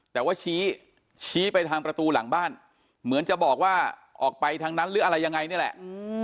แต่ว่าชี้ชี้ไปทางประตูหลังบ้านเหมือนจะบอกว่าออกไปทางนั้นหรืออะไรยังไงนี่แหละ